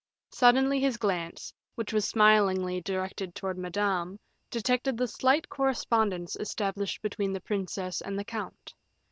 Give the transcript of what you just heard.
Suddenly his glance, which was smilingly directed towards Madame, detected the slight correspondence established between the princess and the count.